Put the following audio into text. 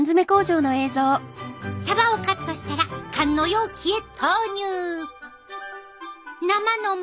サバをカットしたら缶の容器へ投入！